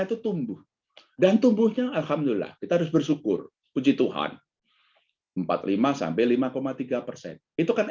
itu tumbuh dan tumbuhnya alhamdulillah kita harus bersyukur puji tuhan empat puluh lima sampai lima tiga persen itu kata